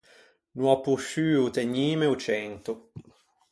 No ò posciuo tegnîme o cento.